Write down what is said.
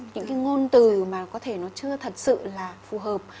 những cái ngôn từ mà có thể nó chưa thật sự là phù hợp